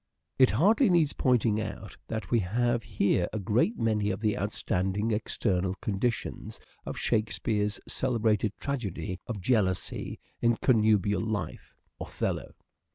It hardly needs pointing out that we have here a great many of the outstanding external conditions of Shakespeare's celebrated tragedy of jealousy in connubial life :" Othello."